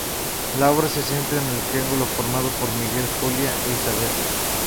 La obra se centra en el triángulo formado por Miguel, Julia e Isabel.